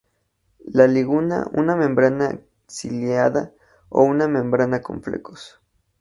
La lígula una membrana ciliada, o una membrana con flecos.